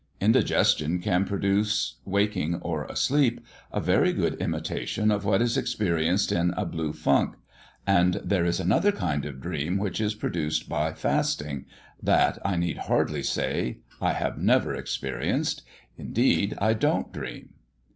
Indigestion can produce, waking or asleep, a very good imitation of what is experienced in a blue funk. And there is another kind of dream which is produced by fasting that, I need hardly say, I have never experienced. Indeed, I don't dream."